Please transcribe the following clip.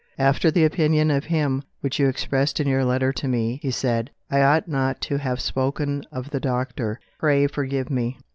"After the opinion of him which you expressed in your letter to me," he said, "I ought not to have spoken of the doctor. Pray forgive me."